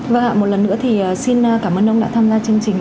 và một lần nữa thì xin cảm ơn ông đã tham gia chương trình